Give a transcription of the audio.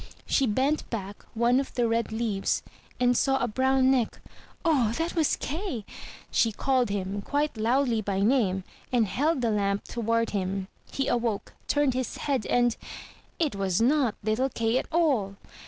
She bent back one of the red leaves, and saw a brown neck — O, that was Kay! She called him quite loudly by name, and held the lamp toward him — ^he awoke, turned his head, and — it was not little Kay at all!